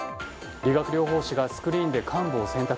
理学療法士がスクリーンで患部を選択。